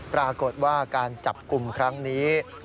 ปรากฏว่าการจับกลุ่มครั้งนี้